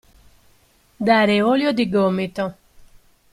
Dare olio di gomito.